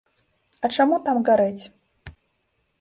А чаму там гарэць?